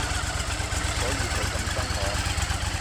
之所以佢咁憎我